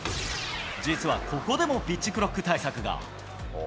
実はここでもピッチクロック対策が。